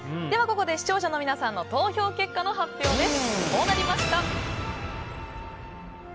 ここで視聴者の皆さんの投票結果の発表です。